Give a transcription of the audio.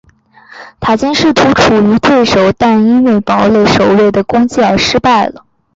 塔金试图处决对手但因为堡垒守卫的攻击而失败了。